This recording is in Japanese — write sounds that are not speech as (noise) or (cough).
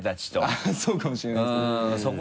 あぁそうかもしれないですね (laughs)